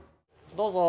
どうぞ。